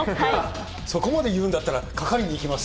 そこまで言うんだったら、かかりに行きます。